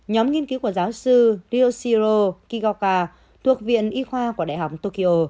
nhóm nghiên cứu của giáo sư rioshiro kigoka thuộc viện y khoa của đại học tokyo